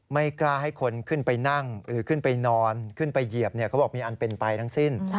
ไม่กล้าให้คนขึ้นไปนั่งหรือขึ้นไปนอนขึ้นไปเหยียบเขาบอกมีอันเป็นไปทั้งสิ้น